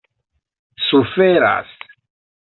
suferas